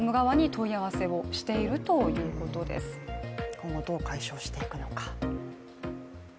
今後どう解消していくのか。